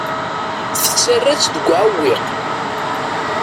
Tettarra-tt deg uɛewwiq.